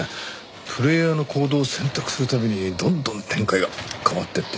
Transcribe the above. プレーヤーの行動を選択するたびにどんどん展開が変わっていって。